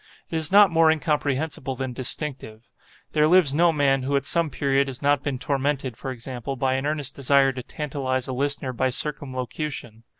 It is not more incomprehensible than distinctive. There lives no man who at some period has not been tormented, for example, by an earnest desire to tantalize a listener by circumlocution.